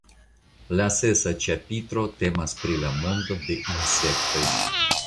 La sesa ĉapitro temas pri la mondo de insektoj.